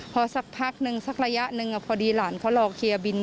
พอสักพักนึงสักระยะหนึ่งพอดีหลานเขารอเคลียร์บิน